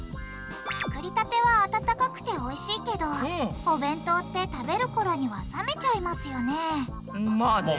作りたては温かくておいしいけどお弁当って食べるころには冷めちゃいますよねまあね。